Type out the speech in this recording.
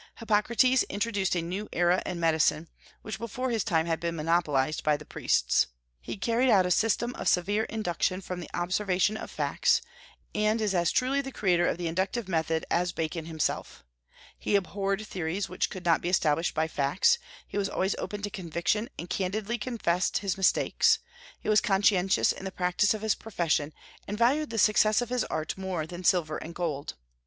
Hippocrates introduced a new era in medicine, which before his time had been monopolized by the priests. He carried out a system of severe induction from the observation of facts, and is as truly the creator of the inductive method as Bacon himself. He abhorred theories which could not be established by facts; he was always open to conviction, and candidly confessed his mistakes; he was conscientious in the practice of his profession, and valued the success of his art more than silver and gold.